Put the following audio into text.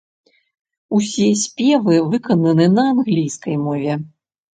Усе спевы выкананы на англійскай мове.